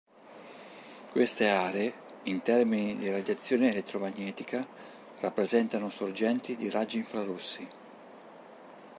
Queste aree, in termini di radiazione elettromagnetica, rappresentano sorgenti di raggi infrarossi.